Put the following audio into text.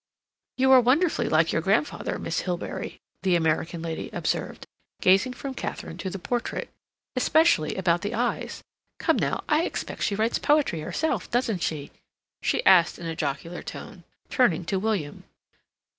"You are wonderfully like your grandfather, Miss Hilbery," the American lady observed, gazing from Katharine to the portrait, "especially about the eyes. Come, now, I expect she writes poetry herself, doesn't she?" she asked in a jocular tone, turning to William.